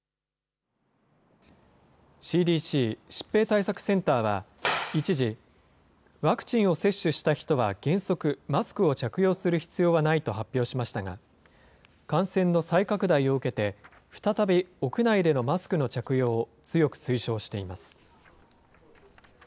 ＣＤＣ・疾病対策センターは、一時、ワクチンを接種した人は原則、マスクを着用する必要はないと発表しましたが、感染の再拡大を受けて、再び屋内でのマスクの着用を強く推奨しています。